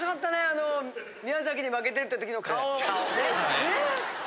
あの宮崎に負けてるってときの顔。